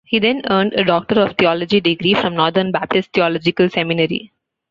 He then earned a Doctor of Theology degree from Northern Baptist Theological Seminary.